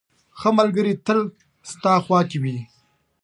• ښه ملګری تل ستا خوا کې وي.